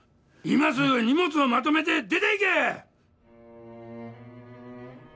今すぐ荷物をまとめて出ていけ！